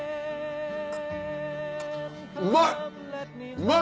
うまい！